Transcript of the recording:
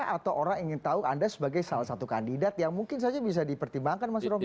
atau orang ingin tahu anda sebagai salah satu kandidat yang mungkin saja bisa dipertimbangkan mas romy